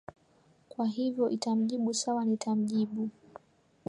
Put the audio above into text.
kwa hivo itamjibu sawa nitamjibu